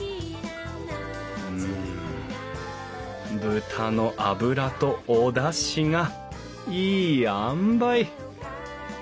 豚の脂とおだしがいいあんばい！